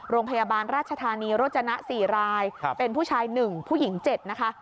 โรงพยาบาลราชธานีโรจนะ๔รายเป็นผู้ชาย๑ผู้หญิง๗นะคะ